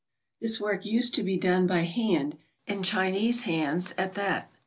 ftyl this work used to be done by hand, and Chinese hands an t that.